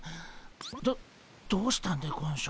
どどうしたんでゴンショ。